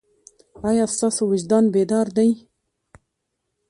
ایا ستاسو وجدان بیدار دی؟